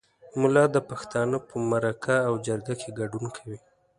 ملا د پښتانه په مرکه او جرګه کې ګډون کوي.